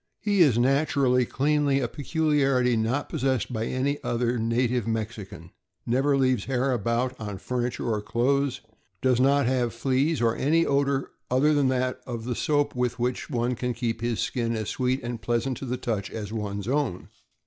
He is naturally cleanly — a peculiarity not possessed by any other native Mexican — never leaves hair about on furniture or clothes, does not have fleas or any odor, other than that of the soap with which one can keep his skin as sweet and pleasant to the touch as one's own.